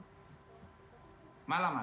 selamat malam mas